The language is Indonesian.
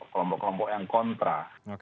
kelompok kelompok yang kontra